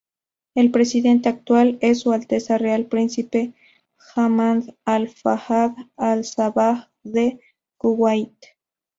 El presidente actual es Su Alteza Real Príncipe Ahmad Al-Fahad Al-Sabah de Kuwait.